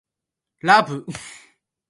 It was also featured on a postcard.